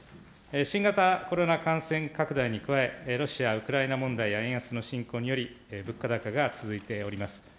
新型コロナ感染拡大に加え、ロシア、ウクライナ問題や円安の進行により、物価高が続いております。